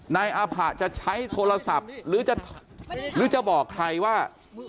นายอาผะจะใช้โทรศัพท์หรือจะหรือจะบอกใครว่า